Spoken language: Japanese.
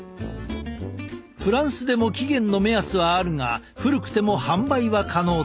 フランスでも期限の目安はあるが古くても販売は可能だ。